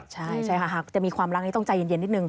ใช่ค่ะหากจะมีความรักนี้ต้องใจเย็นนิดนึ